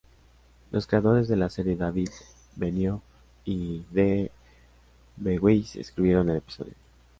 Los creadores de la serie David Benioff y D. B. Weiss escribieron el episodio.